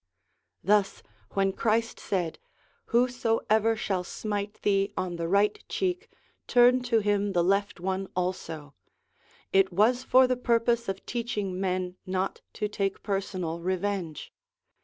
Thus when Christ said :' Whosoever shall smite thee on the right cheek, turn to him the left one also/ it was for the purpose of teaching men not to take personal revenge.